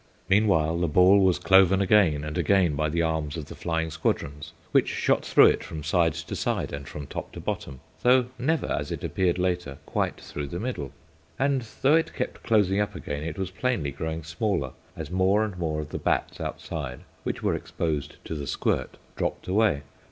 Meanwhile the ball was cloven again and again by the arms of the flying squadrons, which shot through it from side to side and from top to bottom (though never, as appeared later, quite through the middle), and though it kept closing up again, it was plainly growing smaller as more and more of the bats outside, which were exposed to the squirt, dropped away.